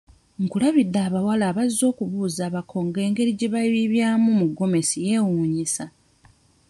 Nkulabidde abawala abazze okubuuza abako nga engeri gye babiibyamu mu ggomesi yeewuunyisa.